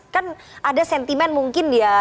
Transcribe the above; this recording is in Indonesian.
kan ada sentimen mungkin ya